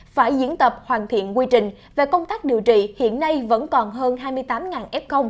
phải diễn tập hoàn thiện quy trình về công tác điều trị hiện nay vẫn còn hơn hai mươi tám f